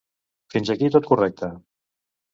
Fins aquí tot correcte!